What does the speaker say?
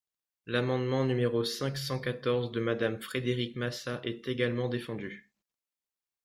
L’amendement numéro cinq cent quatorze de Madame Frédérique Massat est également défendu.